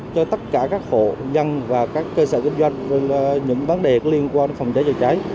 cho tất cả các hộ nhân và các cơ sở kinh doanh về những vấn đề liên quan phòng cháy chữa cháy